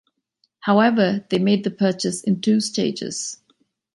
However, they made the purchase in two stages.